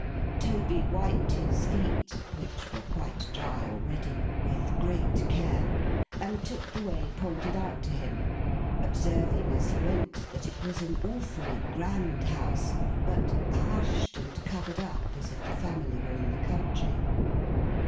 Toby wiped his feet (which were quite dry already) with great care, and took the way pointed out to him; observing as he went that it was an awfully grand house, but hushed and covered up, as if the family were in the country.